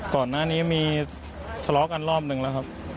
ก่อนหน้านี้มีทะเลาะกันรอบหนึ่งแล้วครับ